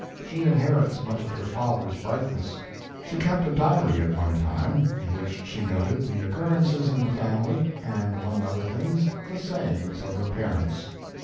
She inherits much of her father s brightness. She kept a diary at one time, in which she noted the occur rences in the family, and, among other things, the sayings of her parents.